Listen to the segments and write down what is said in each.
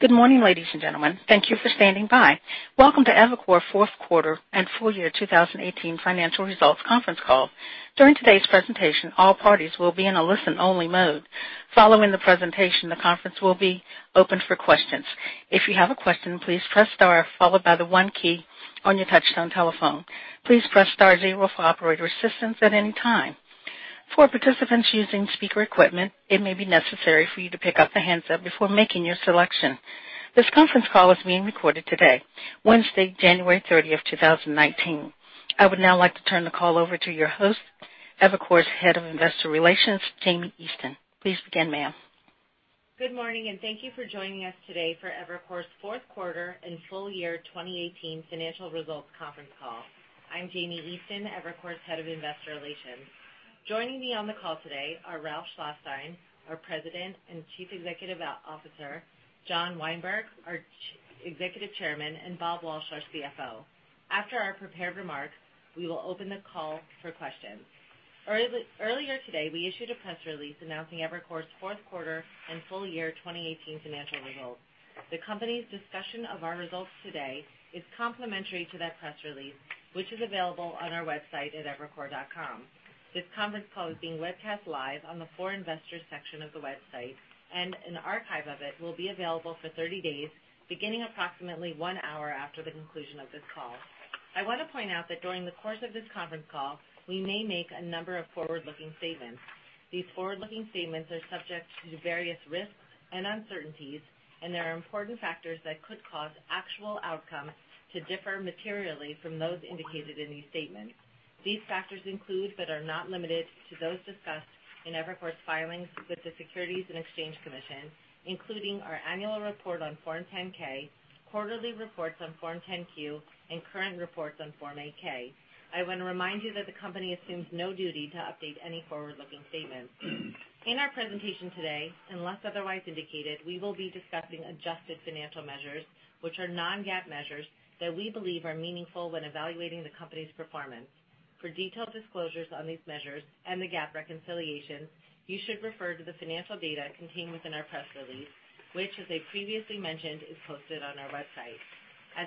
Good morning, ladies and gentlemen. Thank you for standing by. Welcome to Evercore's fourth quarter and full year 2018 financial results conference call. During today's presentation, all parties will be in a listen-only mode. Following the presentation, the conference will be open for questions. If you have a question, please press star followed by the one key on your touchtone telephone. Please press star zero for operator assistance at any time. For participants using speaker equipment, it may be necessary for you to pick up a handset before making your selection. This conference call is being recorded today, Wednesday, January 30th, 2019. I would now like to turn the call over to your host, Evercore's Head of Investor Relations, Hallie Miller. Please begin, ma'am. Good morning. Thank you for joining us today for Evercore's fourth quarter and full year 2018 financial results conference call. I'm Hallie Miller, Evercore's Head of Investor Relations. Joining me on the call today are Ralph Schlosstein, our President and Chief Executive Officer, John Weinberg, our Executive Chairman, and Bob Walsh, our CFO. After our prepared remarks, we will open the call for questions. Earlier today, we issued a press release announcing Evercore's fourth quarter and full year 2018 financial results. The company's discussion of our results today is complementary to that press release, which is available on our website at evercore.com. This conference call is being webcast live on the For Investors section of the website, and an archive of it will be available for 30 days, beginning approximately one hour after the conclusion of this call. I want to point out that during the course of this conference call, we may make a number of forward-looking statements. These forward-looking statements are subject to various risks and uncertainties. There are important factors that could cause actual outcomes to differ materially from those indicated in these statements. These factors include, but are not limited to those discussed in Evercore's filings with the Securities and Exchange Commission, including our annual report on Form 10-K, quarterly reports on Form 10-Q, and current reports on Form 8-K. I want to remind you that the company assumes no duty to update any forward-looking statements. In our presentation today, unless otherwise indicated, we will be discussing adjusted financial measures, which are non-GAAP measures that we believe are meaningful when evaluating the company's performance. For detailed disclosures on these measures and the GAAP reconciliation, you should refer to the financial data contained within our press release, which, as I previously mentioned, is posted on our website.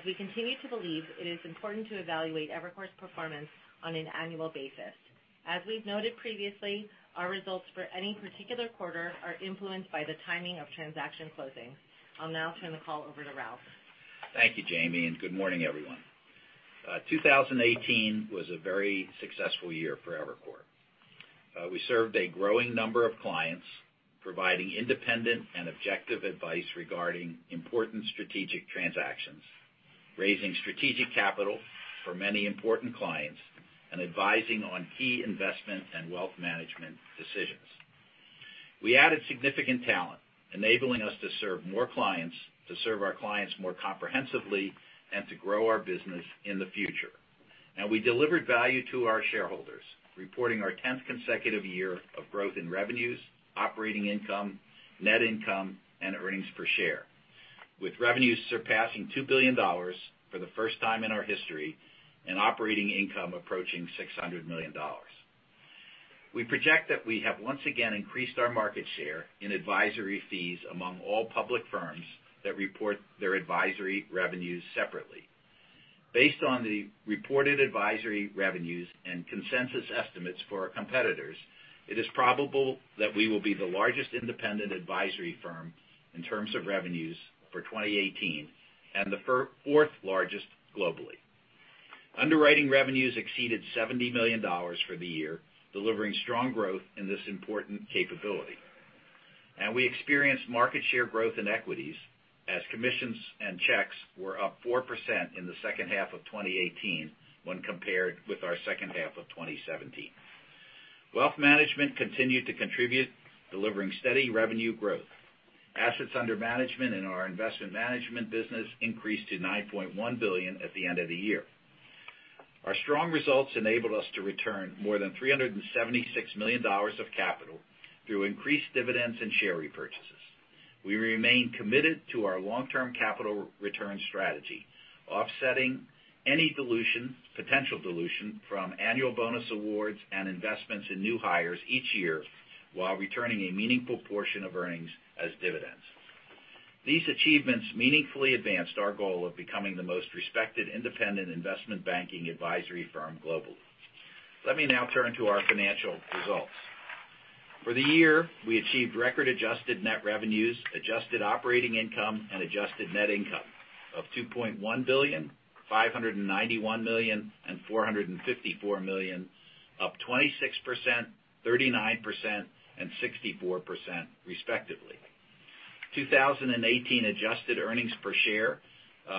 We continue to believe, it is important to evaluate Evercore's performance on an annual basis. We've noted previously, our results for any particular quarter are influenced by the timing of transaction closings. I'll now turn the call over to Ralph. Thank you, Jamie, good morning, everyone. 2018 was a very successful year for Evercore. We served a growing number of clients, providing independent and objective advice regarding important strategic transactions, raising strategic capital for many important clients, and advising on key investment and wealth management decisions. We added significant talent, enabling us to serve more clients, to serve our clients more comprehensively, and to grow our business in the future. We delivered value to our shareholders, reporting our tenth consecutive year of growth in revenues, operating income, net income, and earnings per share. With revenues surpassing $2 billion for the first time in our history and operating income approaching $600 million. We project that we have once again increased our market share in advisory fees among all public firms that report their advisory revenues separately. Based on the reported advisory revenues and consensus estimates for our competitors, it is probable that we will be the largest independent advisory firm in terms of revenues for 2018 and the fourth largest globally. Underwriting revenues exceeded $70 million for the year, delivering strong growth in this important capability. We experienced market share growth in equities as commissions and checks were up 4% in the second half of 2018 when compared with our second half of 2017. Wealth management continued to contribute, delivering steady revenue growth. Assets under management in our investment management business increased to $9.1 billion at the end of the year. Our strong results enabled us to return more than $376 million of capital through increased dividends and share repurchases. We remain committed to our long-term capital return strategy, offsetting any potential dilution from annual bonus awards and investments in new hires each year while returning a meaningful portion of earnings as dividends. These achievements meaningfully advanced our goal of becoming the most respected independent investment banking advisory firm globally. Let me now turn to our financial results. For the year, we achieved record adjusted net revenues, adjusted operating income, and adjusted net income of $2.1 billion, $591 million and $454 million, up 26%, 39% and 64% respectively. 2018 adjusted earnings per share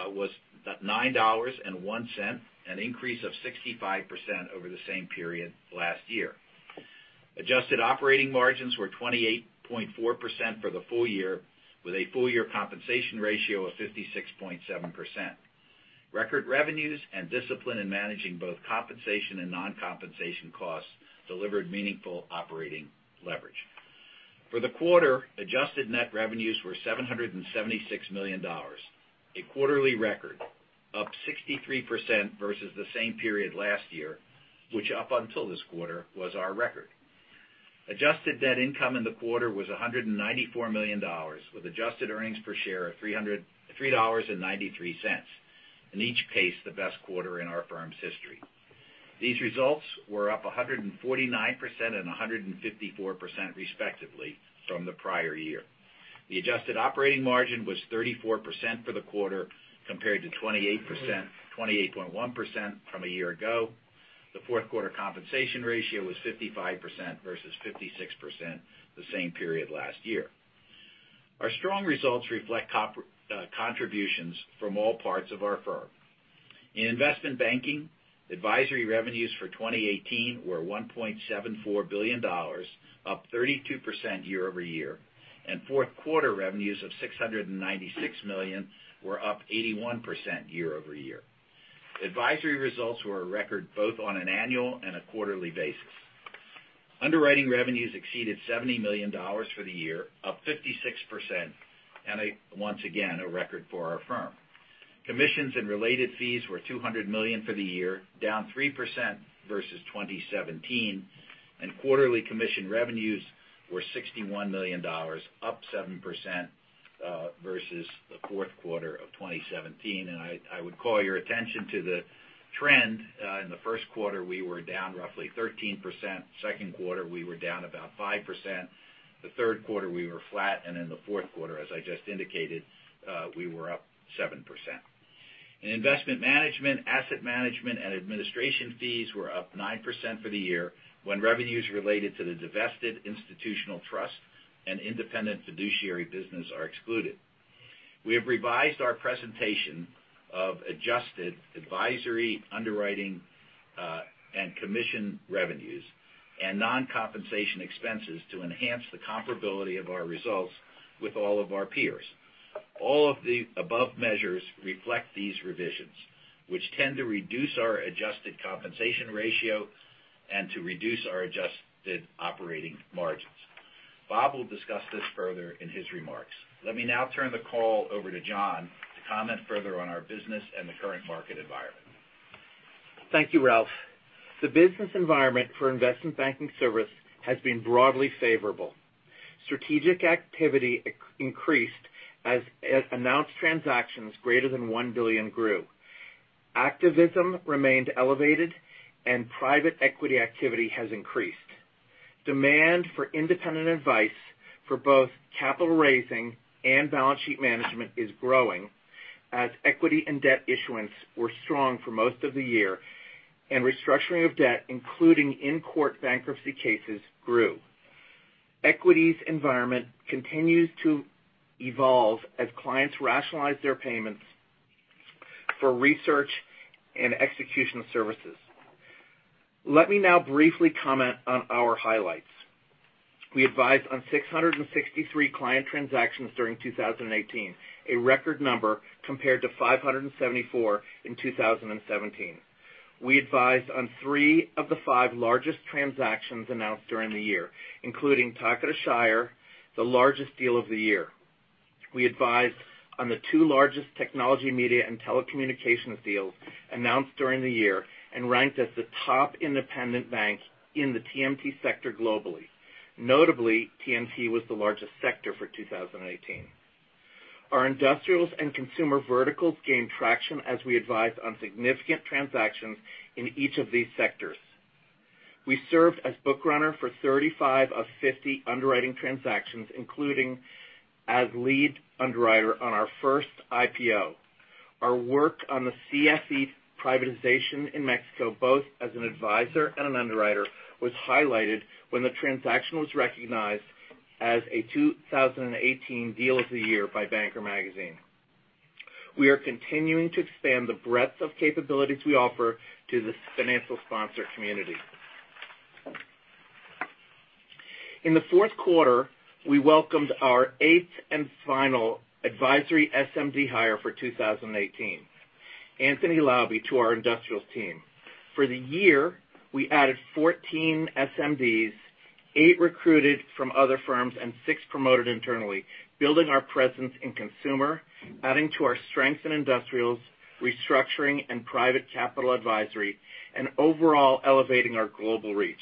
was $9.01, an increase of 65% over the same period last year. Adjusted operating margins were 28.4% for the full year with a full-year compensation ratio of 56.7%. Record revenues and discipline in managing both compensation and non-compensation costs delivered meaningful operating leverage. For the quarter, adjusted net revenues were $776 million, a quarterly record, up 63% versus the same period last year, which up until this quarter was our record. Adjusted net income in the quarter was $194 million with adjusted earnings per share of $3.93, and each pace the best quarter in our firm's history. These results were up 149% and 154% respectively from the prior year. The adjusted operating margin was 34% for the quarter, compared to 28.1% from a year ago. The fourth quarter compensation ratio was 55% versus 56% the same period last year. Our strong results reflect contributions from all parts of our firm. In investment banking, advisory revenues for 2018 were $1.74 billion, up 32% year-over-year, and fourth quarter revenues of $696 million were up 81% year-over-year. Advisory results were a record both on an annual and a quarterly basis. Underwriting revenues exceeded $70 million for the year, up 56%, and once again, a record for our firm. Commissions and related fees were $200 million for the year, down 3% versus 2017. Quarterly commission revenues were $61 million, up 7% versus the fourth quarter of 2017. I would call your attention to the trend. In the first quarter, we were down roughly 13%, second quarter we were down about 5%, the third quarter we were flat, and in the fourth quarter, as I just indicated, we were up 7%. In investment management, asset management, and administration fees were up 9% for the year when revenues related to the divested institutional trust and independent fiduciary business are excluded. We have revised our presentation of adjusted advisory underwriting and commission revenues and non-compensation expenses to enhance the comparability of our results with all of our peers. All of the above measures reflect these revisions, which tend to reduce our adjusted compensation ratio and to reduce our adjusted operating margins. Bob will discuss this further in his remarks. Let me now turn the call over to John to comment further on our business and the current market environment. Thank you, Ralph. The business environment for investment banking service has been broadly favorable. Strategic activity increased as announced transactions greater than $1 billion grew. Activism remained elevated, and private equity activity has increased. Demand for independent advice for both capital raising and balance sheet management is growing as equity and debt issuance were strong for most of the year, and restructuring of debt, including in-court bankruptcy cases grew. Equities environment continues to evolve as clients rationalize their payments for research and execution services. Let me now briefly comment on our highlights. We advised on 663 client transactions during 2018, a record number compared to 574 in 2017. We advised on three of the five largest transactions announced during the year, including Takeda Shire, the largest deal of the year. We advised on the two largest Technology, Media, and Telecommunications deals announced during the year and ranked as the top independent bank in the TMT sector globally. Notably, TMT was the largest sector for 2018. Our industrials and consumer verticals gained traction as we advised on significant transactions in each of these sectors. We served as book runner for 35 of 50 underwriting transactions, including as lead underwriter on our first IPO. Our work on the CFE privatization in Mexico, both as an advisor and an underwriter, was highlighted when the transaction was recognized as a 2018 deal of the year by The Banker magazine. We are continuing to expand the breadth of capabilities we offer to the financial sponsor community. In the fourth quarter, we welcomed our eighth and final advisory SMD hire for 2018, Anthony Lauby, to our industrials team. For the year, we added 14 SMDs, eight recruited from other firms and six promoted internally, building our presence in consumer, adding to our strength in industrials, restructuring and private capital advisory, and overall elevating our global reach.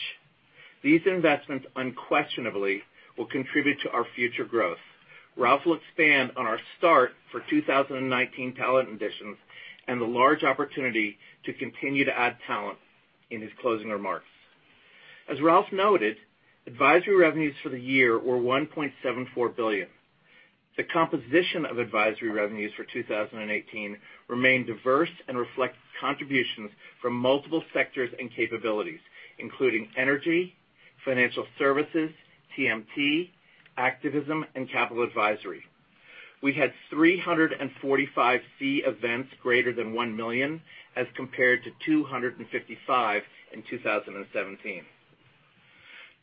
These investments unquestionably will contribute to our future growth. Ralph will expand on our start for 2019 talent additions and the large opportunity to continue to add talent in his closing remarks. As Ralph noted, advisory revenues for the year were $1.74 billion. The composition of advisory revenues for 2018 remained diverse and reflects contributions from multiple sectors and capabilities, including energy, financial services, TMT, activism, and capital advisory. We had 345 fee events greater than $1 million as compared to 255 in 2017.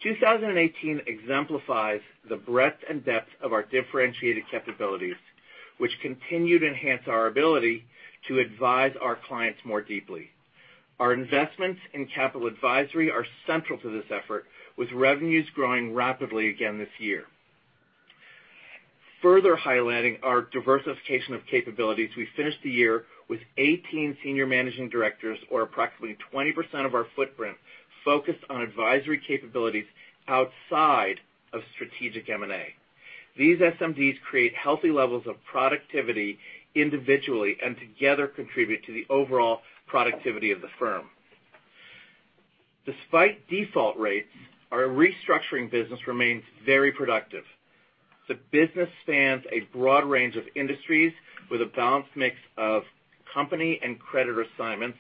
2018 exemplifies the breadth and depth of our differentiated capabilities, which continue to enhance our ability to advise our clients more deeply. Our investments in capital advisory are central to this effort, with revenues growing rapidly again this year. Further highlighting our diversification of capabilities, we finished the year with 18 senior managing directors, or approximately 20% of our footprint, focused on advisory capabilities outside of strategic M&A. These SMDs create healthy levels of productivity individually, and together contribute to the overall productivity of the firm. Despite default rates, our restructuring business remains very productive. The business spans a broad range of industries with a balanced mix of company and creditor assignments,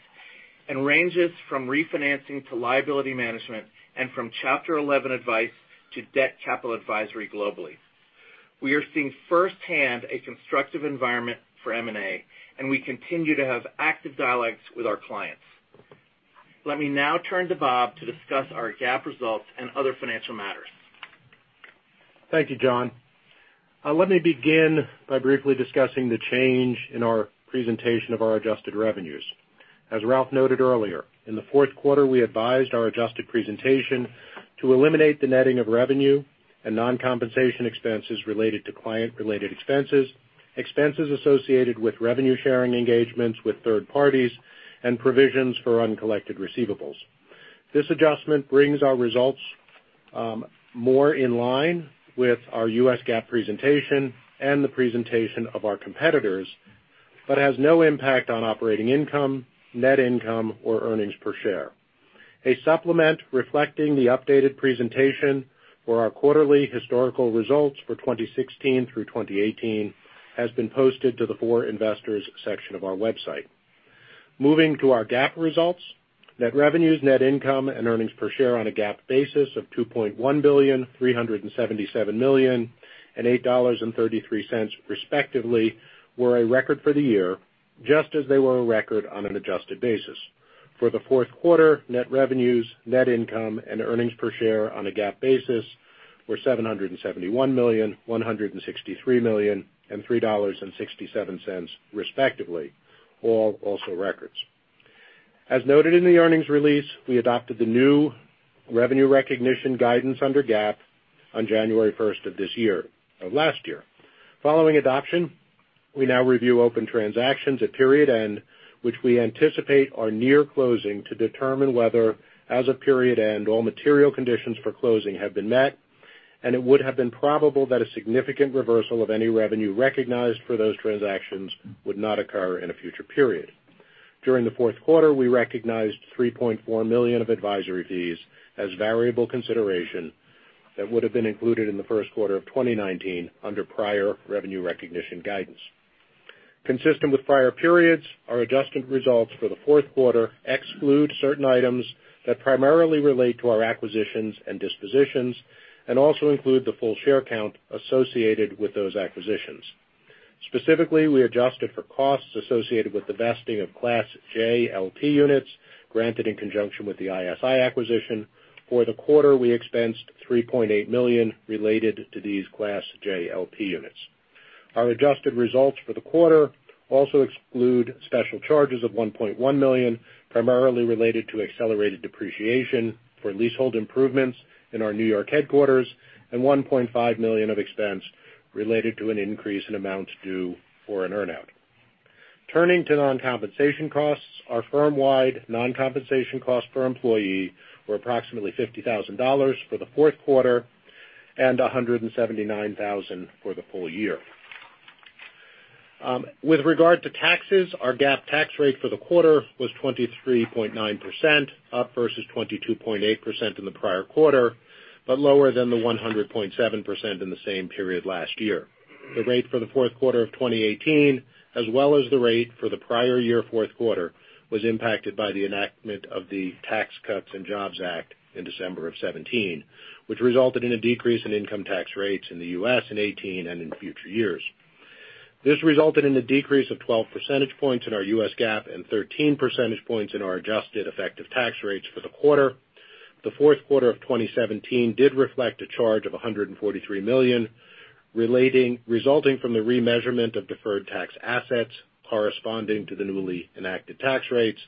and ranges from refinancing to liability management, and from Chapter 11 advice to debt capital advisory globally. We are seeing firsthand a constructive environment for M&A, and we continue to have active dialogues with our clients. Let me now turn to Bob to discuss our GAAP results and other financial matters. Thank you, John. Let me begin by briefly discussing the change in our presentation of our adjusted revenues. As Ralph noted earlier, in the fourth quarter, we advised our adjusted presentation to eliminate the netting of revenue and non-compensation expenses related to client-related expenses associated with revenue-sharing engagements with third parties, and provisions for uncollected receivables. This adjustment brings our results more in line with our U.S. GAAP presentation and the presentation of our competitors, but has no impact on operating income, net income or earnings per share. A supplement reflecting the updated presentation for our quarterly historical results for 2016 through 2018 has been posted to the For Investors section of our website. Moving to our GAAP results. Net revenues, net income and earnings per share on a GAAP basis of $2.1 billion, $377 million and $8.33 respectively, were a record for the year, just as they were a record on an adjusted basis. For the fourth quarter, net revenues, net income and earnings per share on a GAAP basis were $771 million, $163 million and $3.67 respectively, all also records. As noted in the earnings release, we adopted the new revenue recognition guidance under GAAP on January 1st of last year. Following adoption, we now review open transactions at period end, which we anticipate are near closing to determine whether, as of period end, all material conditions for closing have been met, and it would have been probable that a significant reversal of any revenue recognized for those transactions would not occur in a future period. During the fourth quarter, we recognized $3.4 million of advisory fees as variable consideration that would've been included in the first quarter of 2019 under prior revenue recognition guidance. Consistent with prior periods, our adjusted results for the fourth quarter exclude certain items that primarily relate to our acquisitions and dispositions, and also include the full share count associated with those acquisitions. Specifically, we adjusted for costs associated with the vesting of Class J LP units granted in conjunction with the ISI acquisition. For the quarter, we expensed $3.8 million related to these Class J LP units. Our adjusted results for the quarter also exclude special charges of $1.1 million, primarily related to accelerated depreciation for leasehold improvements in our New York headquarters and $1.5 million of expense related to an increase in amounts due for an earn-out. Turning to non-compensation costs, our firm-wide non-compensation costs per employee were approximately $50,000 for the fourth quarter and $179,000 for the full year. With regard to taxes, our GAAP tax rate for the quarter was 23.9%, up versus 22.8% in the prior quarter, but lower than the 100.7% in the same period last year. The rate for the fourth quarter of 2018, as well as the rate for the prior year fourth quarter, was impacted by the enactment of the Tax Cuts and Jobs Act in December of 2017, which resulted in a decrease in income tax rates in the U.S. in 2018 and in future years. This resulted in a decrease of 12 percentage points in our U.S. GAAP and 13 percentage points in our adjusted effective tax rates for the quarter. The fourth quarter of 2017 did reflect a charge of $143 million, resulting from the remeasurement of deferred tax assets corresponding to the newly enacted tax rates.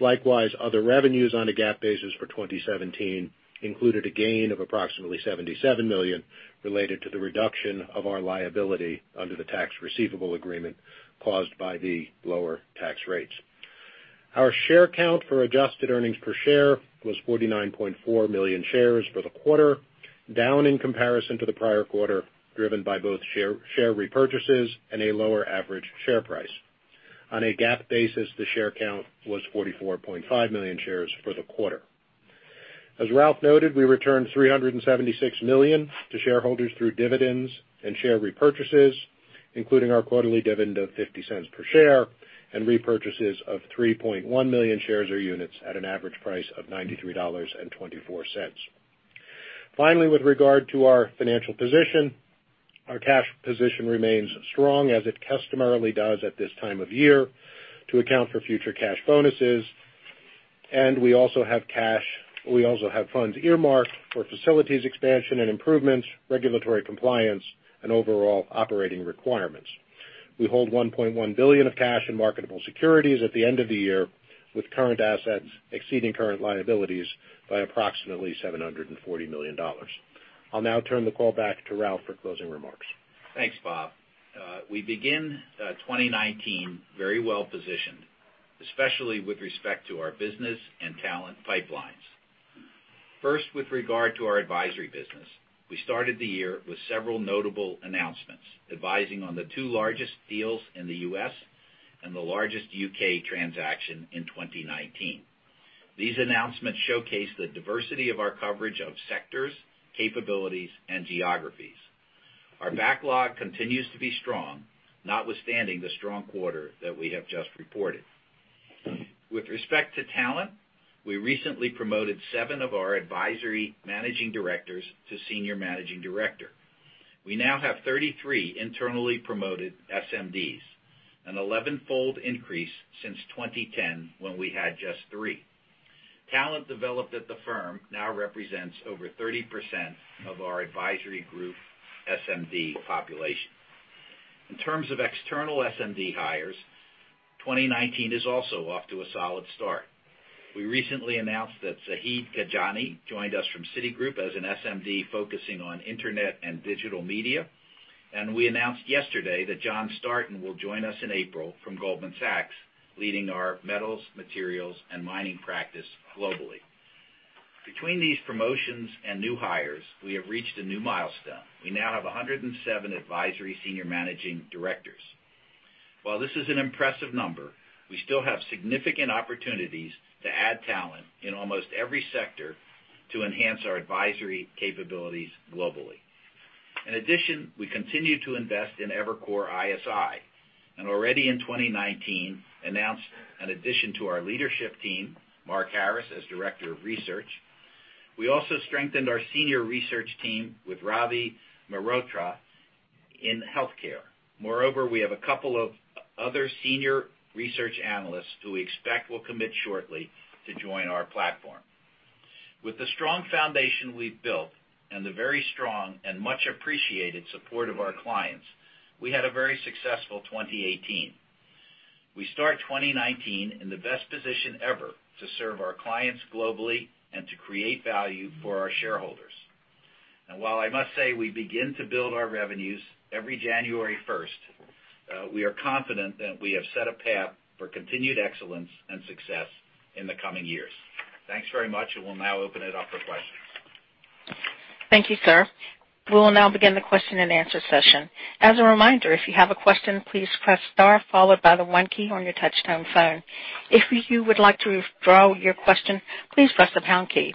Likewise, other revenues on a GAAP basis for 2017 included a gain of approximately $77 million related to the reduction of our liability under the tax receivable agreement caused by the lower tax rates. Our share count for adjusted earnings per share was 49.4 million shares for the quarter, down in comparison to the prior quarter, driven by both share repurchases and a lower average share price. On a GAAP basis, the share count was 44.5 million shares for the quarter. As Ralph noted, we returned $376 million to shareholders through dividends and share repurchases, including our quarterly dividend of $0.50 per share and repurchases of 3.1 million shares or units at an average price of $93.24. With regard to our financial position, our cash position remains strong as it customarily does at this time of year to account for future cash bonuses. We also have funds earmarked for facilities expansion and improvements, regulatory compliance and overall operating requirements. We hold $1.1 billion of cash and marketable securities at the end of the year, with current assets exceeding current liabilities by approximately $740 million. I'll now turn the call back to Ralph for closing remarks. Thanks, Bob. We begin 2019 very well-positioned, especially with respect to our business and talent pipelines. First, with regard to our advisory business, we started the year with several notable announcements advising on the two largest deals in the U.S. and the largest U.K. transaction in 2019. These announcements showcase the diversity of our coverage of sectors, capabilities, and geographies. Our backlog continues to be strong, notwithstanding the strong quarter that we have just reported. With respect to talent, we recently promoted seven of our advisory managing directors to senior managing director. We now have 33 internally promoted SMDs, an elevenfold increase since 2010, when we had just three. Talent developed at the firm now represents over 30% of our advisory group SMD population. In terms of external SMD hires, 2019 is also off to a solid start. We recently announced that Zahid Gajani joined us from Citigroup as an SMD focusing on internet and digital media. We announced yesterday that John Startin will join us in April from Goldman Sachs, leading our metals, materials, and mining practice globally. Between these promotions and new hires, we have reached a new milestone. We now have 107 advisory senior managing directors. While this is an impressive number, we still have significant opportunities to add talent in almost every sector to enhance our advisory capabilities globally. In addition, we continue to invest in Evercore ISI, and already in 2019, announced an addition to our leadership team, Marc Harris, as Director of Research. We also strengthened our senior research team with Ravi Mehrotra in healthcare. Moreover, we have a couple of other senior research analysts who we expect will commit shortly to join our platform. With the strong foundation we've built and the very strong and much-appreciated support of our clients, we had a very successful 2018. We start 2019 in the best position ever to serve our clients globally and to create value for our shareholders. While I must say, we begin to build our revenues every January 1st, we are confident that we have set a path for continued excellence and success in the coming years. Thanks very much, and we'll now open it up for questions. Thank you, sir. We'll now begin the question-and-answer session. As a reminder, if you have a question, please press star followed by the 1 key on your touch-tone phone. If you would like to withdraw your question, please press the pound key.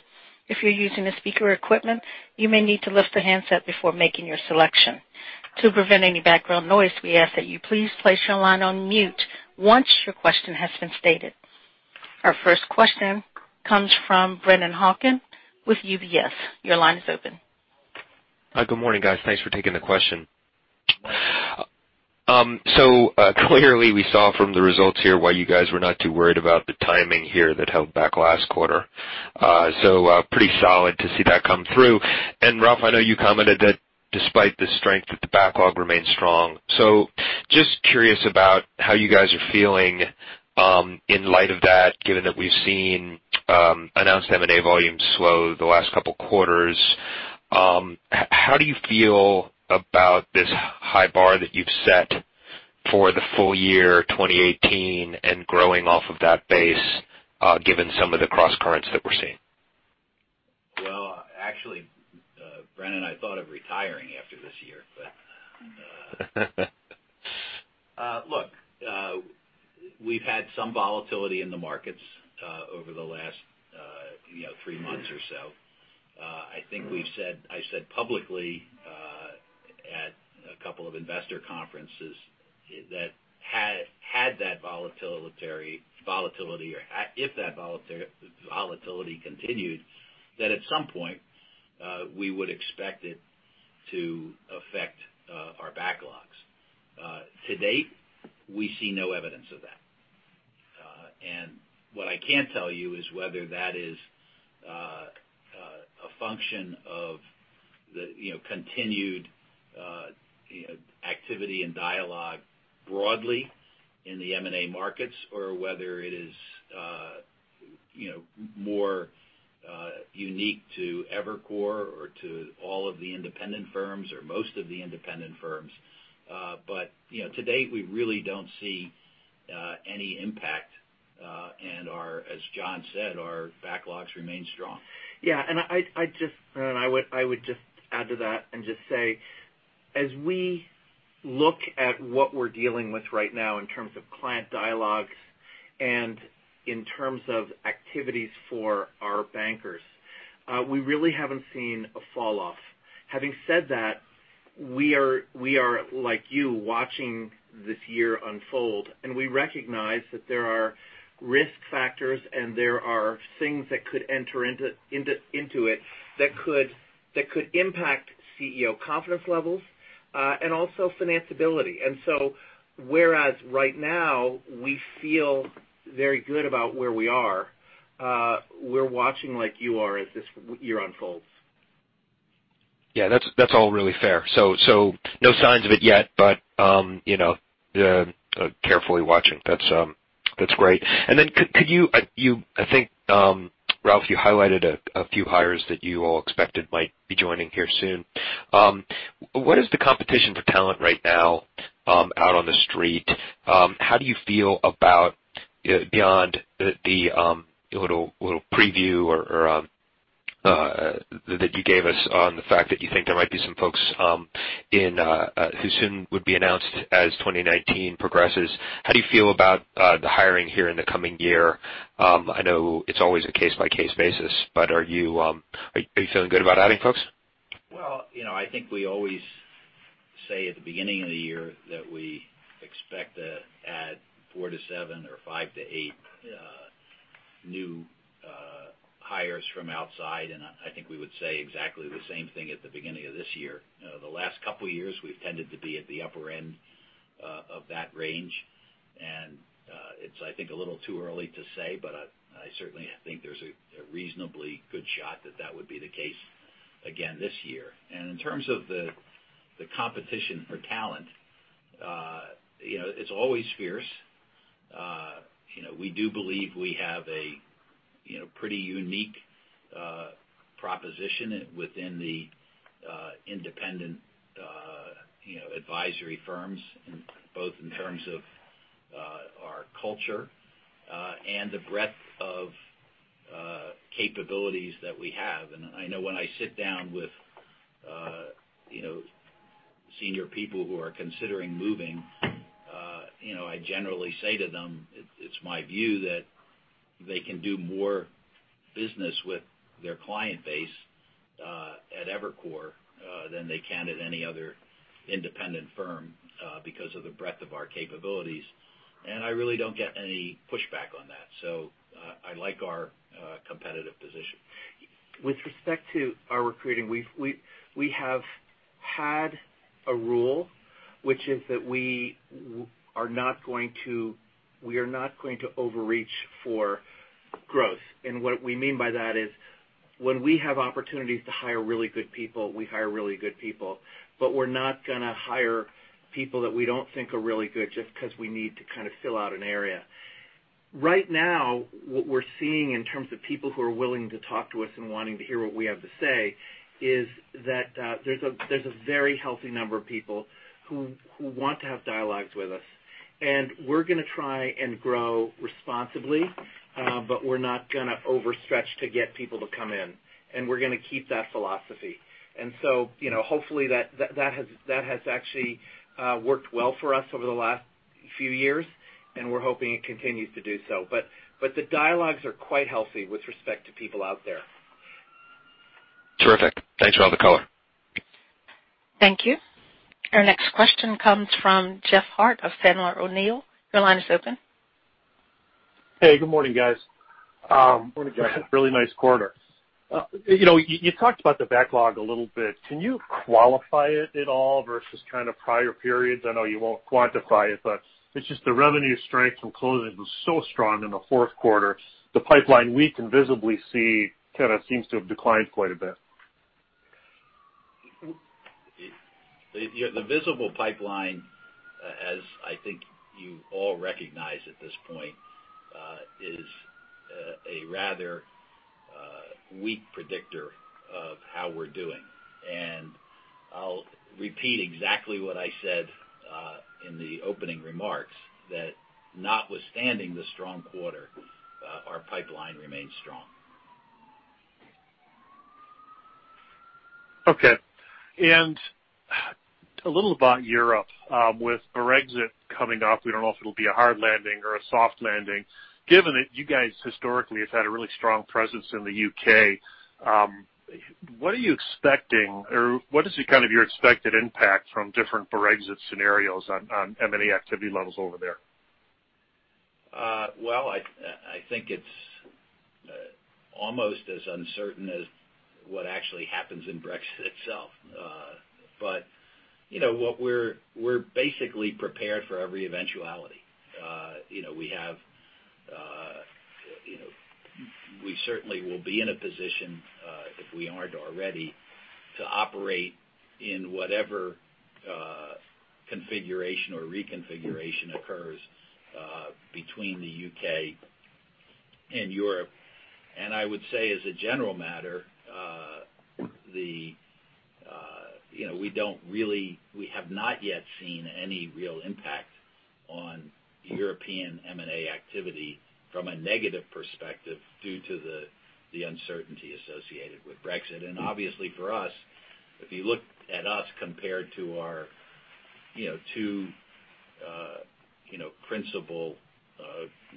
If you're using speaker equipment, you may need to lift the handset before making your selection. To prevent any background noise, we ask that you please place your line on mute once your question has been stated. Our first question comes from Brennan Hawken with UBS. Your line is open. Hi. Good morning, guys. Thanks for taking the question. Clearly, we saw from the results here why you guys were not too worried about the timing here that held back last quarter, pretty solid to see that come through. Ralph, I know you commented that despite the strength, that the backlog remains strong. Just curious about how you guys are feeling in light of that, given that we've seen announced M&A volume slow the last couple of quarters. How do you feel about this high bar that you've set for the full year 2018 and growing off of that base, given some of the cross-currents that we're seeing? Well, actually, Brennan, I thought of retiring after this year. Look, we've had some volatility in the markets over the last three months or so. I think I said publicly at a couple of investor conferences that had that volatility, or if that volatility continued, that at some point, we would expect it to affect our backlogs. To date, we see no evidence of that. What I can't tell you is whether that is a function of the continued activity and dialogue broadly in the M&A markets or whether it is more unique to Evercore or to all of the independent firms or most of the independent firms. To date, we really don't see any impact, and as John said, our backlogs remain strong. Yeah. Brennan, I would just add to that and just say, as we look at what we're dealing with right now in terms of client dialogues and in terms of activities for our bankers, we really haven't seen a fall-off. Having said that, we are, like you, watching this year unfold, and we recognize that there are risk factors, and there are things that could enter into it that could impact CEO confidence levels, and also financability. Whereas right now we feel very good about where we are, we're watching like you are as this year unfolds. That's all really fair. No signs of it yet, but carefully watching. That's great. Could you? I think, Ralph, you highlighted a few hires that you all expected might be joining here soon. What is the competition for talent right now out on the street? How do you feel about beyond the little preview that you gave us on the fact that you think there might be some folks who soon would be announced as 2019 progresses? How do you feel about the hiring here in the coming year? I know it's always a case-by-case basis, but are you feeling good about adding folks? I think we always say at the beginning of the year that we expect to add four to seven or five to eight new hires from outside, and I think we would say exactly the same thing at the beginning of this year. The last couple of years, we've tended to be at the upper end of that range, and it's, I think, a little too early to say, but I certainly think there's a reasonably good shot that that would be the case again this year. In terms of the competition for talent, it's always fierce. We do believe we have a pretty unique proposition within the independent advisory firms, both in terms of our culture and the breadth of capabilities that we have. I know when I sit down with senior people who are considering moving, I generally say to them, it's my view that they can do more business with their client base at Evercore than they can at any other independent firm because of the breadth of our capabilities. I really don't get any pushback on that. I like our competitive position. With respect to our recruiting, we have had a rule, which is that we are not going to overreach for growth. What we mean by that is when we have opportunities to hire really good people, we hire really good people, but we're not going to hire people that we don't think are really good just because we need to fill out an area. Right now, what we're seeing in terms of people who are willing to talk to us and wanting to hear what we have to say is that there's a very healthy number of people who want to have dialogues with us, and we're going to try and grow responsibly, but we're not going to overstretch to get people to come in, and we're going to keep that philosophy. Hopefully that has actually worked well for us over the last few years, and we're hoping it continues to do so. The dialogues are quite healthy with respect to people out there. Terrific. Thanks for all the color. Thank you. Our next question comes from Jeff Harte of Sandler O'Neill. Your line is open. Hey, good morning, guys. Morning, Jeff. Really nice quarter. You talked about the backlog a little bit. Can you qualify it at all versus prior periods? I know you won't quantify it, but it's just the revenue strength from closing was so strong in the fourth quarter. The pipeline we can visibly see seems to have declined quite a bit. The visible pipeline, as I think you all recognize at this point, is a rather weak predictor of how we're doing. I'll repeat exactly what I said in the opening remarks, that notwithstanding the strong quarter, our pipeline remains strong. Okay. A little about Europe. With Brexit coming up, we don't know if it'll be a hard landing or a soft landing. Given that you guys historically have had a really strong presence in the U.K., what are you expecting, or what is your expected impact from different Brexit scenarios on M&A activity levels over there? I think it's almost as uncertain as what actually happens in Brexit itself. We're basically prepared for every eventuality. We certainly will be in a position, if we aren't already, to operate in whatever configuration or reconfiguration occurs between the U.K. and Europe. I would say as a general matter, we have not yet seen any real impact on European M&A activity from a negative perspective due to the uncertainty associated with Brexit. Obviously for us, if you look at us compared to our two principal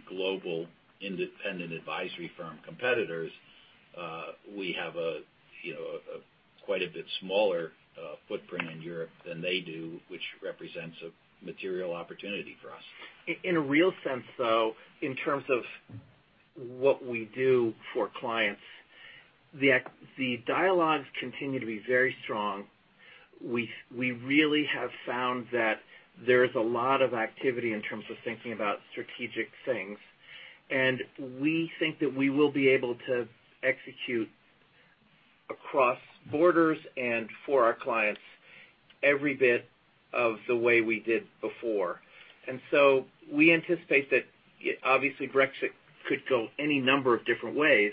global independent advisory firm competitors, we have quite a bit smaller footprint in Europe than they do, which represents a material opportunity for us. In a real sense, though, in terms of what we do for clients, the dialogues continue to be very strong. We really have found that there's a lot of activity in terms of thinking about strategic things. We think that we will be able to execute across borders and for our clients every bit of the way we did before. We anticipate that, obviously, Brexit could go any number of different ways.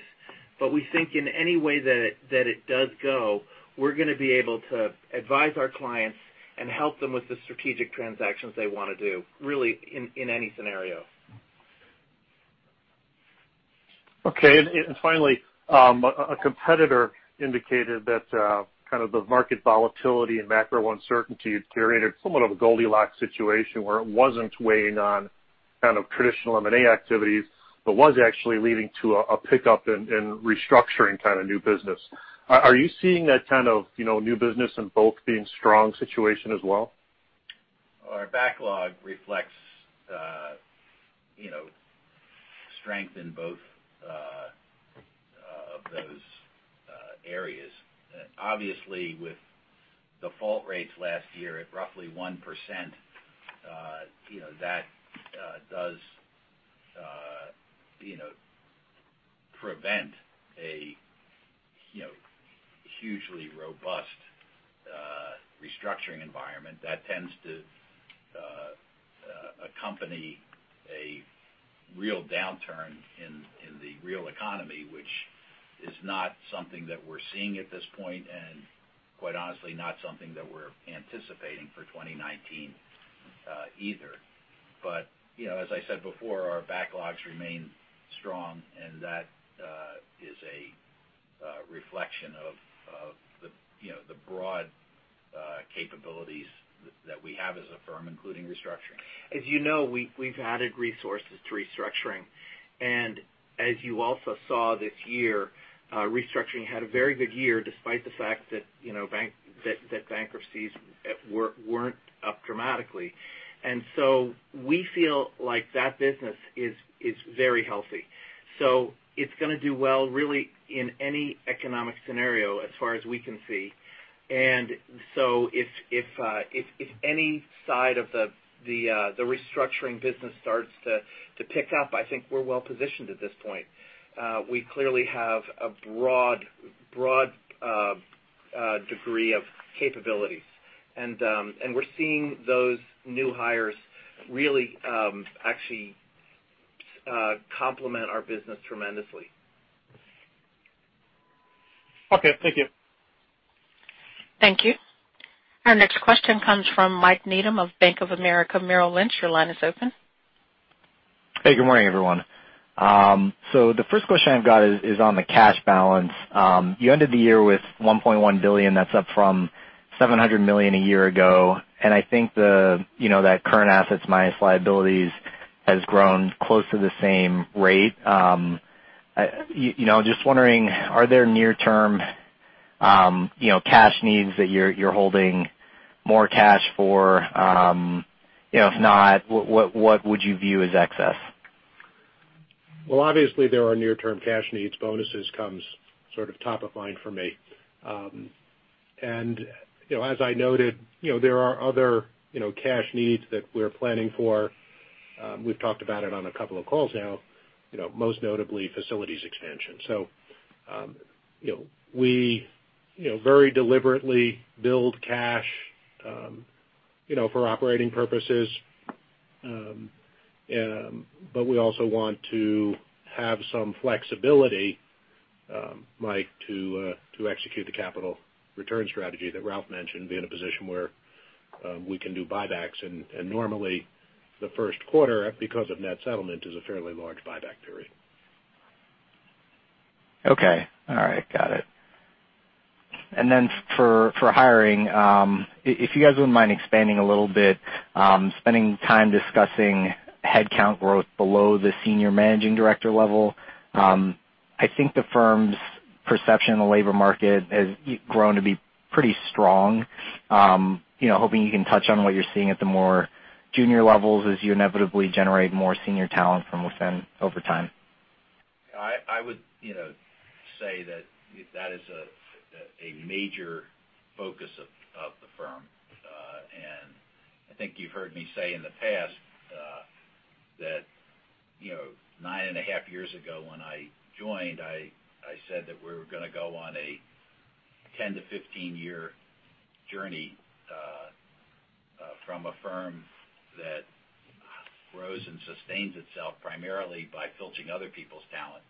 We think in any way that it does go, we're going to be able to advise our clients and help them with the strategic transactions they want to do, really, in any scenario. Okay. Finally, a competitor indicated that the market volatility and macro uncertainty had created somewhat of a Goldilocks situation where it wasn't weighing on kind of traditional M&A activities. It was actually leading to a pickup in restructuring kind of new business. Are you seeing that kind of new business in both being strong situation as well? Our backlog reflects strength in both of those areas. Obviously, with default rates last year at roughly 1%, that does prevent a hugely robust restructuring environment that tends to accompany a real downturn in the real economy, which is not something that we're seeing at this point. Quite honestly, not something that we're anticipating for 2019 either. As I said before, our backlogs remain strong. That is a reflection of the broad capabilities that we have as a firm, including restructuring. As you know, we've added resources to restructuring. As you also saw this year, restructuring had a very good year, despite the fact that bankruptcies weren't up dramatically. We feel like that business is very healthy. It's going to do well, really, in any economic scenario as far as we can see. If any side of the restructuring business starts to pick up, I think we're well-positioned at this point. We clearly have a broad degree of capabilities, and we're seeing those new hires really actually complement our business tremendously. Okay, thank you. Thank you. Our next question comes from Michael Needham of Bank of America Merrill Lynch. Your line is open. Hey, good morning, everyone. The first question I've got is on the cash balance. You ended the year with $1.1 billion, that's up from $700 million a year ago. I think that current assets minus liabilities has grown close to the same rate. Just wondering, are there near-term cash needs that you're holding more cash for? If not, what would you view as excess? Obviously, there are near-term cash needs. Bonuses come sort of top of mind for me. As I noted, there are other cash needs that we're planning for. We've talked about it on a couple of calls now, most notably facilities expansion. We very deliberately build cash for operating purposes. We also want to have some flexibility, Mike, to execute the capital return strategy that Ralph mentioned, be in a position where we can do buybacks. Normally, the first quarter, because of net settlement, is a fairly large buyback period. Okay. All right. Got it. Then for hiring, if you guys wouldn't mind expanding a little, spending time discussing headcount growth below the Senior Managing Director level. I think the firm's perception in the labor market has grown to be pretty strong. Hoping you can touch on what you're seeing at the more junior levels as you inevitably generate more senior talent from within over time. I would say that is a major focus of the firm. I think you've heard me say in the past that nine and a half years ago when I joined, I said that we were going to go on a 10 to 15-year journey from a firm that grows and sustains itself primarily by filching other people's talent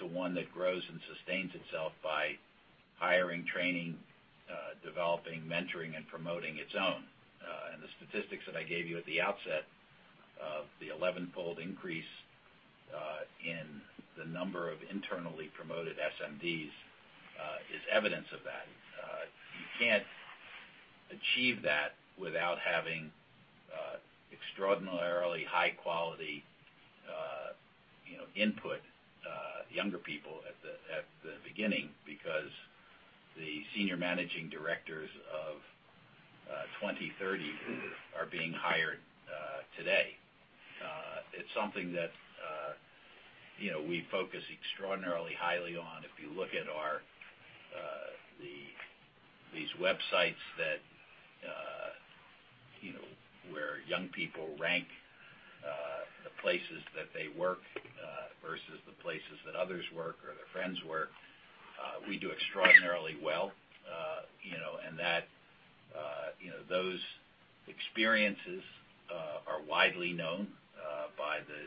to one that grows and sustains itself by hiring, training, developing, mentoring, and promoting its own. The statistics that I gave you at the outset of the 11-fold increase in the number of internally promoted SMDs is evidence of that. You can't achieve that without having extraordinarily high-quality input, younger people at the beginning because the Senior Managing Directors of 2030 are being hired today. It's something that we focus extraordinarily highly on, if you look at these websites where young people rank the places that they work versus the places that others work or their friends work, we do extraordinarily well. Those experiences are widely known by the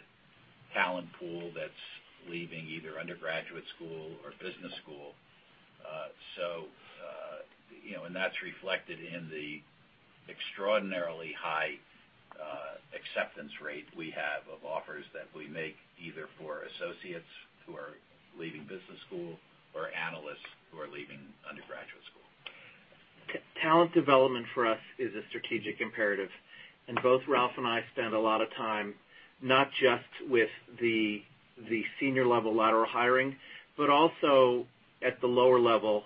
talent pool that's leaving either undergraduate school or business school. That's reflected in the extraordinarily high acceptance rate we have of offers that we make, either for associates who are leaving business school or analysts who are leaving undergraduate school. Talent development for us is a strategic imperative. Both Ralph and I spend a lot of time not just with the senior level lateral hiring, but also at the lower level.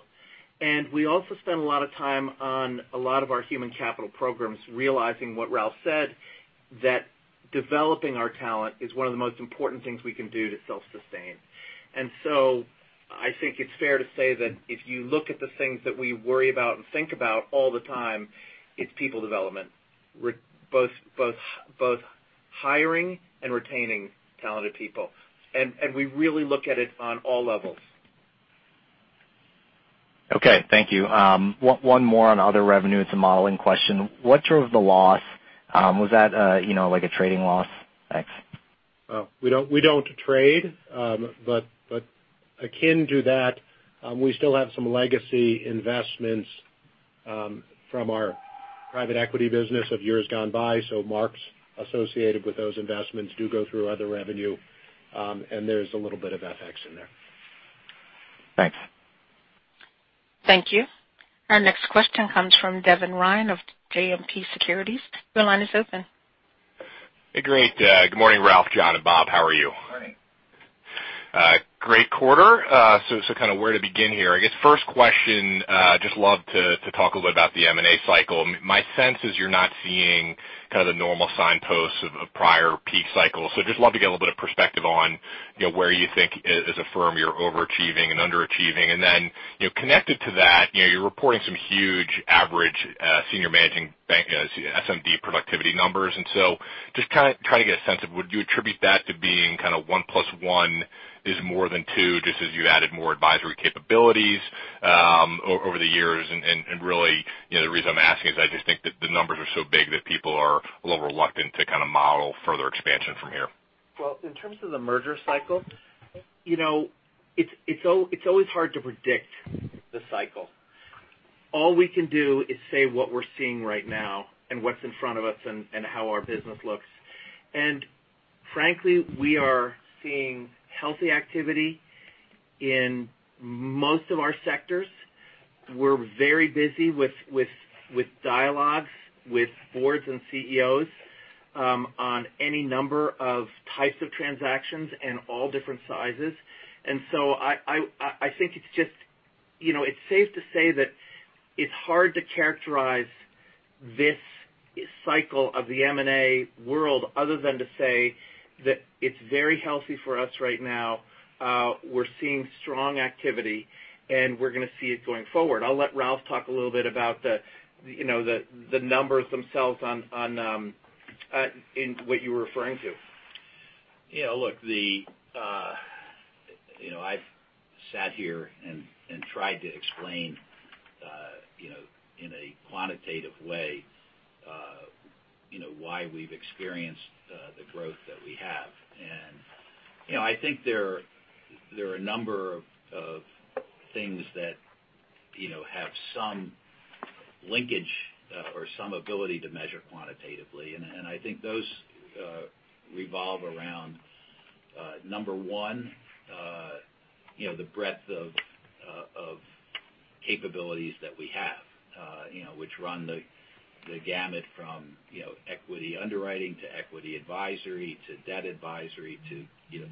We also spend a lot of time on a lot of our human capital programs, realizing what Ralph said, that developing our talent is one of the most important things we can do to self-sustain. I think it's fair to say that if you look at the things that we worry about and think about all the time, it's people development, both hiring and retaining talented people. We really look at it on all levels. Okay. Thank you. One more on other revenue. It's a modeling question. What drove the loss? Was that like a trading loss? Thanks. We don't trade. Akin to that, we still have some legacy investments from our private equity business of years gone by. Marks associated with those investments do go through other revenue. There's a little bit of FX in there. Thanks. Thank you. Our next question comes from Devin Ryan of JMP Securities. Your line is open. Hey, great. Good morning, Ralph, John, and Bob. How are you? Morning. Great quarter. Kind of where to begin here. I guess first question, just love to talk a bit about the M&A cycle. My sense is you're not seeing kind of the normal signposts of prior peak cycles. Just love to get a little bit of perspective on where you think, as a firm, you're overachieving and underachieving. Connected to that, you're reporting some huge average senior managing bank SMD productivity numbers. Just trying to get a sense of would you attribute that to being kind of one plus one is more than two, just as you added more advisory capabilities over the years? The reason I'm asking is I just think that the numbers are so big that people are a little reluctant to kind of model further expansion from here. Well, in terms of the merger cycle, it's always hard to predict the cycle. All we can do is say what we're seeing right now and what's in front of us and how our business looks. Frankly, we are seeing healthy activity in most of our sectors. We're very busy with dialogues with boards and CEOs on any number of types of transactions and all different sizes. I think it's safe to say that it's hard to characterize this cycle of the M&A world other than to say that it's very healthy for us right now. We're seeing strong activity, and we're going to see it going forward. I'll let Ralph talk a little bit about the numbers themselves in what you were referring to. Look, I've sat here and tried to explain in a quantitative way why we've experienced the growth that we have. I think there are a number of things that have some linkage or some ability to measure quantitatively. I think those revolve around, number one, the breadth of capabilities that we have which run the gamut from equity underwriting to equity advisory to debt advisory to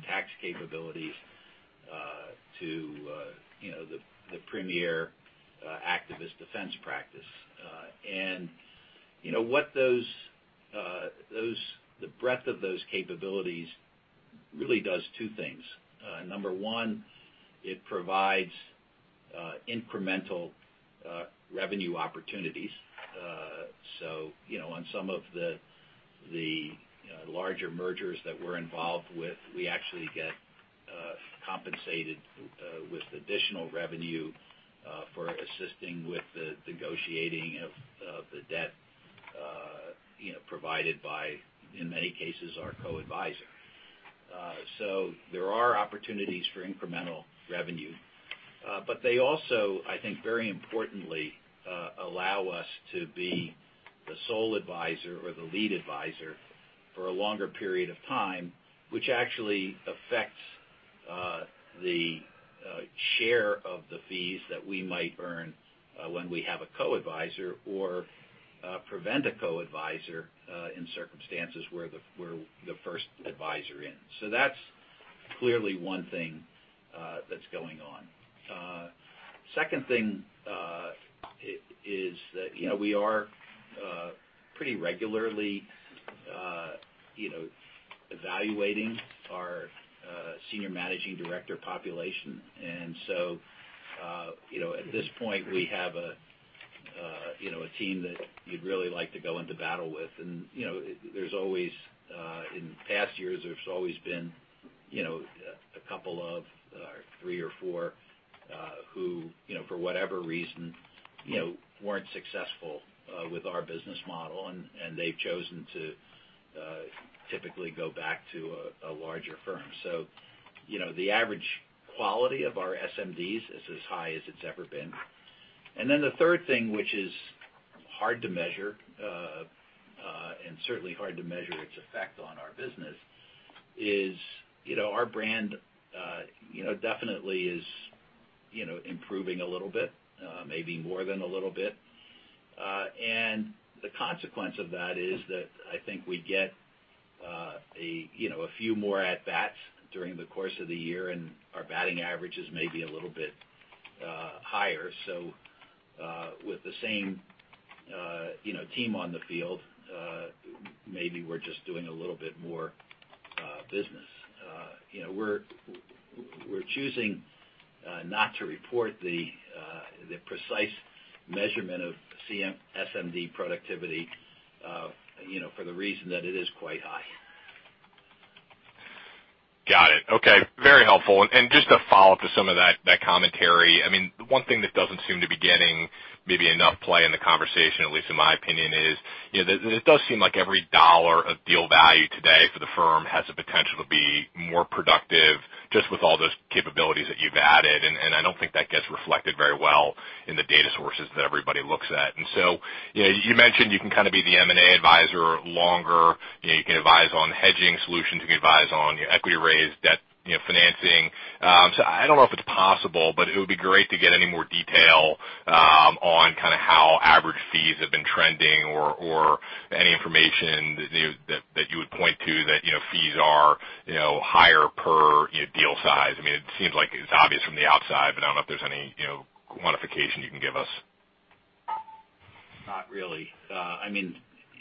tax capabilities to the premier activist defense practice. The breadth of those capabilities really does two things. Number one, it provides incremental revenue opportunities. On some of the larger mergers that we're involved with, we actually get compensated with additional revenue for assisting with the negotiating of the debt provided by, in many cases, our co-adviser. There are opportunities for incremental revenue. They also, I think very importantly, allow us to be the sole adviser or the lead adviser for a longer period of time, which actually affects the share of the fees that we might earn when we have a co-adviser or prevent a co-adviser in circumstances where we're the first adviser in. That's clearly one thing that's going on. Second thing is that we are pretty regularly evaluating our Senior Managing Director population. At this point, we have a team that you'd really like to go into battle with. In past years, there's always been a couple of, three or four, who for whatever reason, weren't successful with our business model and they've chosen to typically go back to a larger firm. The average quality of our SMDs is as high as it's ever been. The third thing, which is hard to measure, and certainly hard to measure its effect on our business is, our brand definitely is improving a little bit, maybe more than a little bit. The consequence of that is that I think we get a few more at-bats during the course of the year, and our batting average is maybe a little bit higher. With the same team on the field, maybe we're just doing a little bit more business. We're choosing not to report the precise measurement of SMD productivity for the reason that it is quite high. Got it. Okay. Very helpful. Just a follow-up to some of that commentary. One thing that doesn't seem to be getting maybe enough play in the conversation, at least in my opinion, is that it does seem like every dollar of deal value today for the firm has the potential to be more productive just with all those capabilities that you've added. I don't think that gets reflected very well in the data sources that everybody looks at. You mentioned you can be the M&A adviser longer. You can advise on hedging solutions. You can advise on equity raise, debt, financing. I don't know if it's possible, but it would be great to get any more detail on how average fees have been trending or any information that you would point to that fees are higher per deal size. It seems like it's obvious from the outside, but I don't know if there's any quantification you can give us. Not really.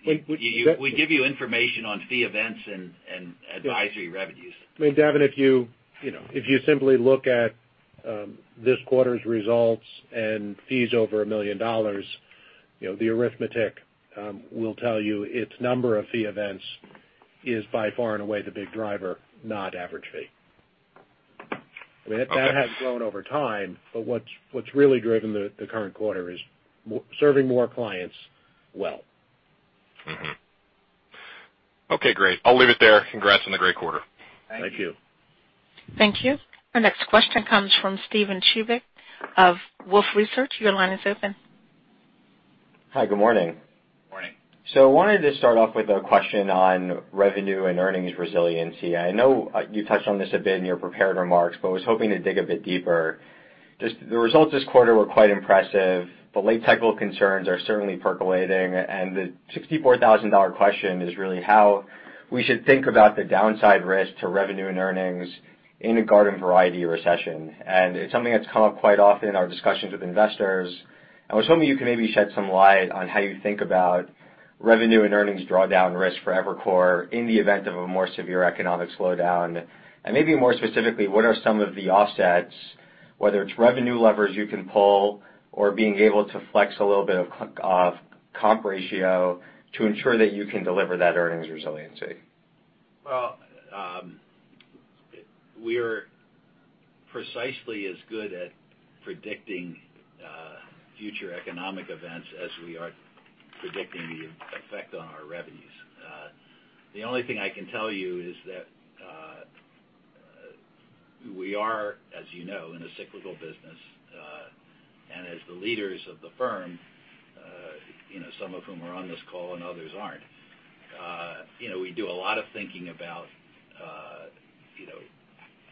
We give you information on fee events and advisory revenues. Devin, if you simply look at this quarter's results and fees over $1 million, the arithmetic will tell you its number of fee events is by far and away the big driver, not average fee. Okay. That has grown over time, but what's really driven the current quarter is serving more clients well. Okay, great. I'll leave it there. Congrats on the great quarter. Thank you. Thank you. Thank you. Our next question comes from Steven Chubak of Wolfe Research. Your line is open. Hi, good morning. Morning. I wanted to start off with a question on revenue and earnings resiliency. I know you touched on this a bit in your prepared remarks, but was hoping to dig a bit deeper. Just the results this quarter were quite impressive. The late technical concerns are certainly percolating, and the $64,000 question is really how we should think about the downside risk to revenue and earnings in a garden variety recession. It's something that's come up quite often in our discussions with investors, and I was hoping you could maybe shed some light on how you think about revenue and earnings drawdown risk for Evercore in the event of a more severe economic slowdown. Maybe more specifically, what are some of the offsets, whether it's revenue levers you can pull or being able to flex a little bit of comp ratio to ensure that you can deliver that earnings resiliency? Well, we are precisely as good at predicting future economic events as we are predicting the effect on our revenues. The only thing I can tell you is that we are, as you know, in a cyclical business. As the leaders of the firm, some of whom are on this call and others aren't, we do a lot of thinking about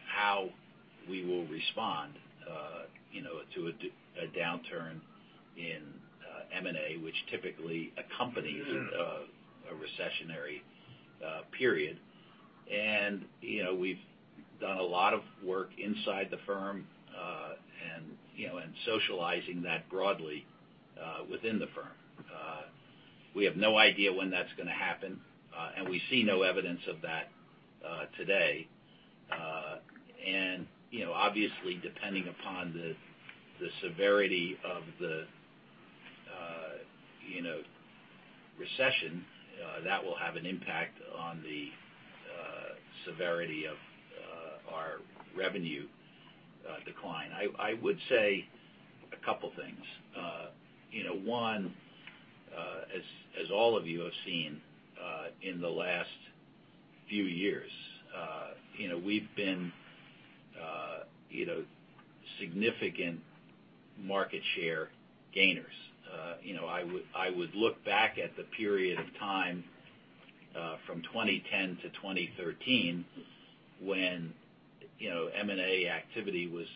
how we will respond to a downturn in M&A, which typically accompanies a recessionary period. We've done a lot of work inside the firm, and socializing that broadly within the firm. We have no idea when that's going to happen, and we see no evidence of that today. Obviously, depending upon the severity of the recession, that will have an impact on the severity of our revenue decline. I would say a couple things. One, as all of you have seen in the last few years, we've been significant market share gainers. I would look back at the period of time from 2010 to 2013 when M&A activity was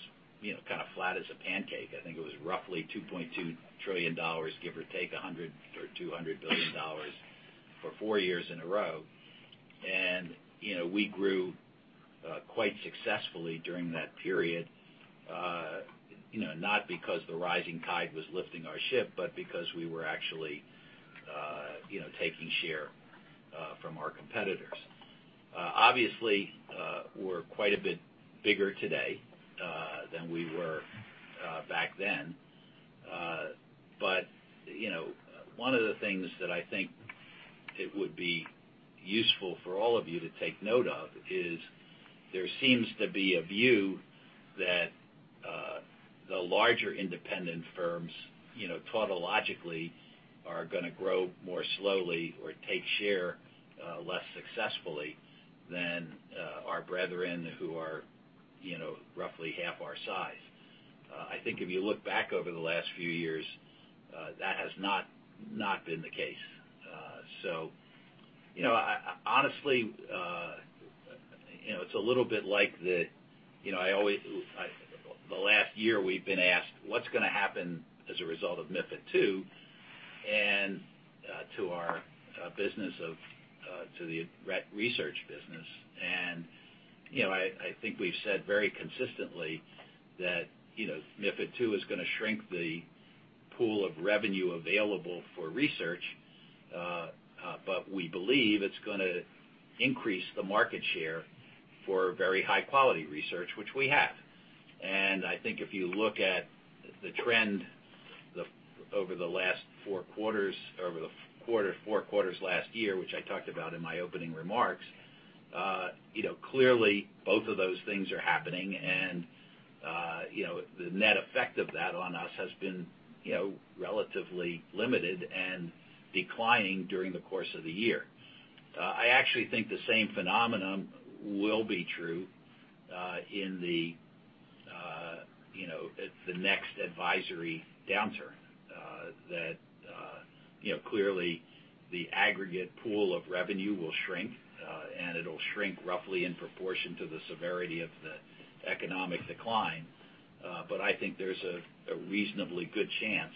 kind of flat as a pancake. I think it was roughly $2.2 trillion, give or take $100 billion or $200 billion for four years in a row. We grew quite successfully during that period, not because the rising tide was lifting our ship, but because we were actually taking share from our competitors. Obviously, we're quite a bit bigger today than we were back then. One of the things that I think it would be useful for all of you to take note of is there seems to be a view that the larger independent firms tautologically are going to grow more slowly or take share less successfully than our brethren who are roughly half our size. I think if you look back over the last few years, that has not been the case. Honestly, it's a little bit like the last year we've been asked what's going to happen as a result of MiFID II and to the research business. I think we've said very consistently that MiFID II is going to shrink the pool of revenue available for research, but we believe it's going to increase the market share for very high-quality research, which we have. I think if you look at the trend over the last four quarters, over the four quarters last year, which I talked about in my opening remarks, clearly both of those things are happening. The net effect of that on us has been relatively limited and declining during the course of the year. I actually think the same phenomenon will be true in the next advisory downturn that clearly the aggregate pool of revenue will shrink, and it'll shrink roughly in proportion to the severity of the economic decline. I think there's a reasonably good chance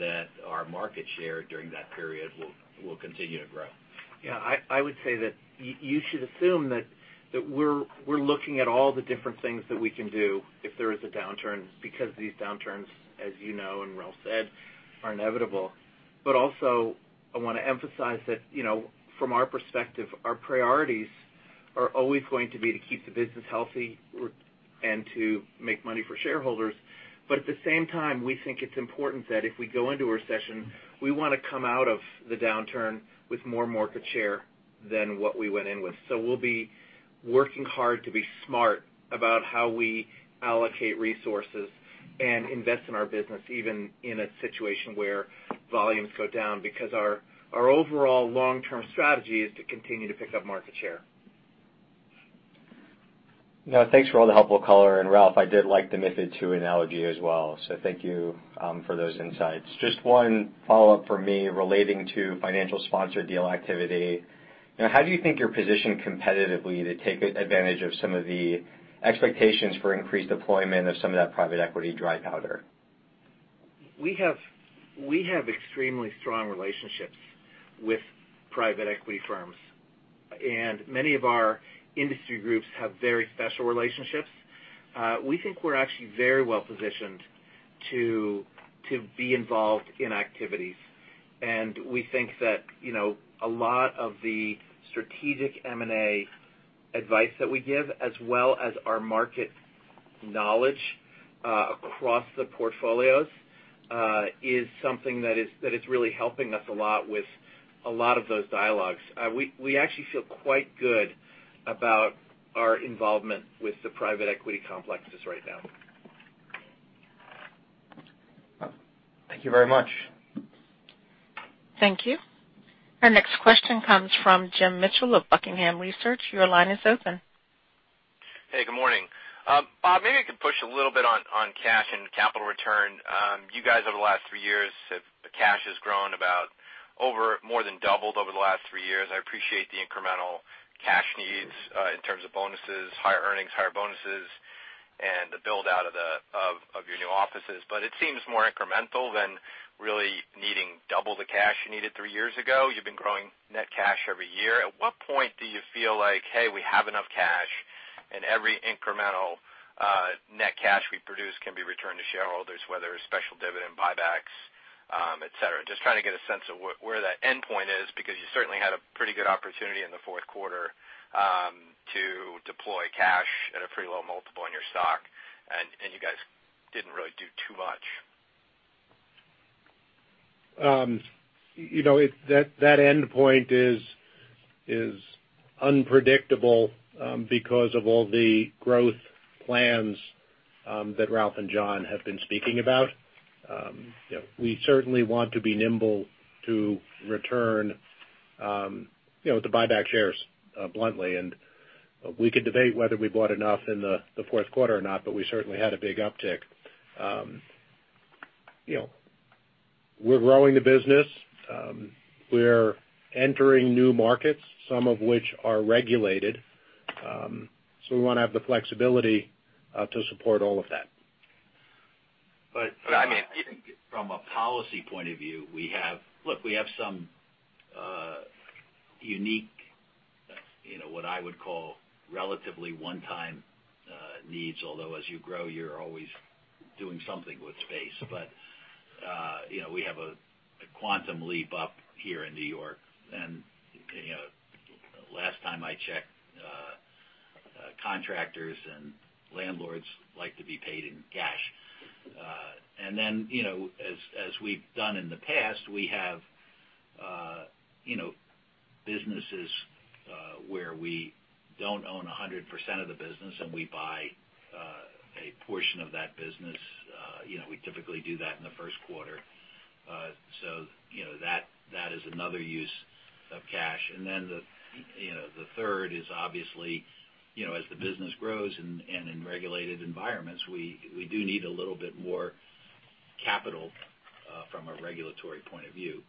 that our market share during that period will continue to grow. Yeah, I would say that you should assume that we're looking at all the different things that we can do if there is a downturn because these downturns, as you know and Ralph said, are inevitable. Also I want to emphasize that from our perspective, our priorities are always going to be to keep the business healthy and to make money for shareholders. At the same time, we think it's important that if we go into a recession, we want to come out of the downturn with more market share than what we went in with. We'll be working hard to be smart about how we allocate resources and invest in our business, even in a situation where volumes go down because our overall long-term strategy is to continue to pick up market share. No, thanks for all the helpful color. Ralph, I did like the MiFID II analogy as well, thank you for those insights. Just one follow-up from me relating to financial sponsor deal activity. How do you think you're positioned competitively to take advantage of some of the expectations for increased deployment of some of that private equity dry powder? We have extremely strong relationships with private equity firms, and many of our industry groups have very special relationships. We think we're actually very well-positioned to be involved in activities. We think that a lot of the strategic M&A advice that we give as well as our market knowledge across the portfolios is something that is really helping us a lot with a lot of those dialogues. We actually feel quite good about our involvement with the private equity complexes right now. Thank you very much. Thank you. Our next question comes from James Mitchell of Buckingham Research Group. Your line is open. Hey, good morning. Bob, maybe I can push a little bit on cash and capital return. You guys over the last three years the cash has grown about more than doubled over the last three years. I appreciate the incremental cash needs in terms of bonuses, higher earnings, higher bonuses, and the build-out of your new offices. It seems more incremental than really needing double the cash you needed three years ago. You've been growing net cash every year. At what point do you feel like, "Hey, we have enough cash, and every incremental net cash we produce can be returned to shareholders, whether it's special dividend buybacks, et cetera?" Just trying to get a sense of where that endpoint is because you certainly had a pretty good opportunity in the fourth quarter to deploy cash at a pretty low multiple in your stock, and you guys didn't really do too much. That endpoint is unpredictable because of all the growth plans that Ralph and John have been speaking about. We certainly want to be nimble to return the buyback shares bluntly. We could debate whether we bought enough in the fourth quarter or not, we certainly had a big uptick. We're growing the business. We're entering new markets, some of which are regulated. We want to have the flexibility to support all of that. I think from a policy point of view, we have some unique, what I would call relatively one-time needs, although as you grow, you're always doing something with space. We have a quantum leap up here in New York, and last time I checked, contractors and landlords like to be paid in cash. Then, as we've done in the past, we have businesses where we don't own 100% of the business, and we buy a portion of that business. We typically do that in the first quarter. That is another use of cash. Then the third is obviously, as the business grows and in regulated environments, we do need a little bit more capital from a regulatory point of view.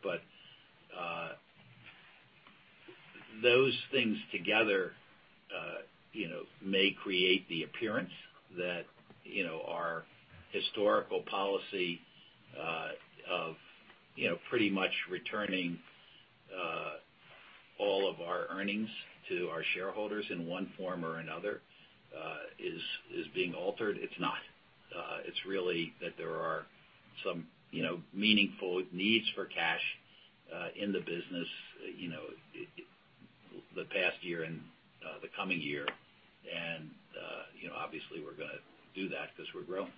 Those things together may create the appearance that our historical policy of pretty much returning all of our earnings to our shareholders in one form or another is being altered. It's not. It's really that there are some meaningful needs for cash in the business, the past year and the coming year, obviously we're going to do that because we're growing.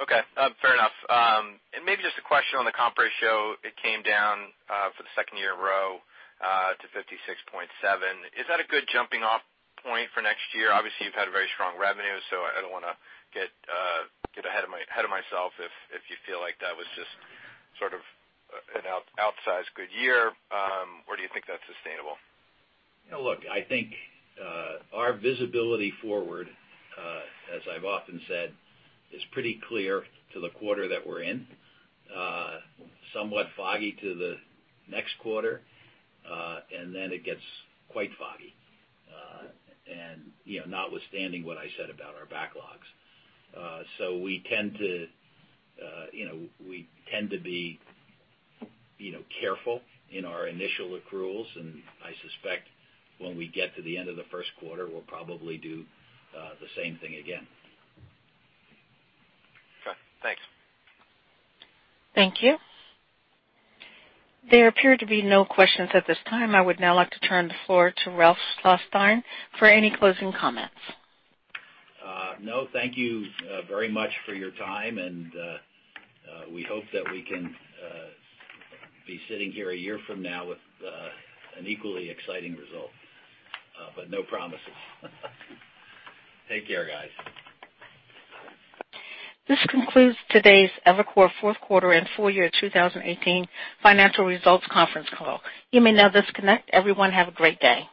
Okay. Fair enough. Maybe just a question on the comp ratio. It came down for the second year in a row to 56.7%. Is that a good jumping-off point for next year? Obviously, you've had very strong revenue, I don't want to get ahead of myself if you feel like that was just sort of an outsized good year, do you think that's sustainable? I think our visibility forward, as I've often said, is pretty clear to the quarter that we're in. Somewhat foggy to the next quarter, and then it gets quite foggy, and notwithstanding what I said about our backlogs. We tend to be careful in our initial accruals, and I suspect when we get to the end of the first quarter, we'll probably do the same thing again. Thanks. Thank you. There appear to be no questions at this time. I would now like to turn the floor to Ralph Schlosstein for any closing comments. Thank you very much for your time, and we hope that we can be sitting here a year from now with an equally exciting result. No promises. Take care, guys. This concludes today's Evercore fourth quarter and full year 2018 financial results conference call. You may now disconnect. Everyone have a great day.